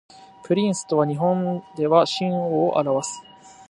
プリンスとは日本では親王を表す